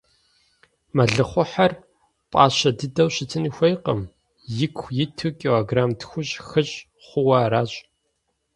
Мэлыхъуэхьэр пӀащэ дыдэу щытын хуейкъым, ику иту килограмм тхущӏ-хыщӏ хъууэ аращ.